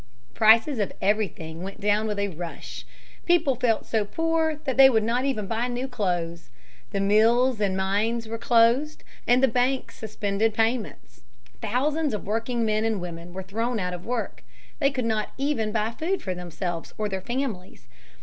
Prices of everything went down with a rush. People felt so poor that they would not even buy new clothes. The mills and mines were closed, and the banks suspended payments. Thousands of working men and women were thrown out of work. They could not even buy food for themselves or their families.